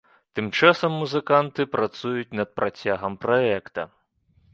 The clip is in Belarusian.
Тым часам музыканты працуюць над працягам праекта.